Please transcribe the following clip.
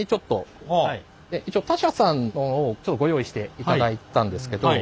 一応他社さんのをちょっとご用意していただいたんですけど。